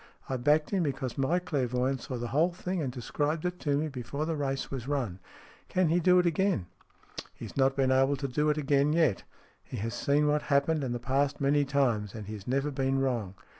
I backed him, because my clairvoyant saw the whole thing, and described it to me before the race was run." "tan he do it again ?"" He has not been able to do it again yet. He has seen what happened in the past many times, and he has never been wrong.